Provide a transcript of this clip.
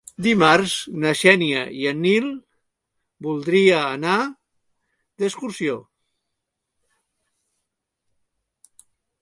Dimarts na Xènia i en Nil voldria anar d'excursió.